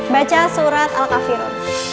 baca surat alkafirut